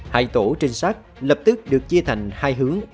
hai tổ trinh sát lập tức được chia thành hai hướng